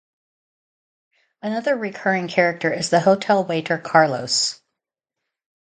Another recurring character is the hotel waiter Carlos.